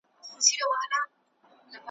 محکمه وه پاچهي د لوی قاضي وه `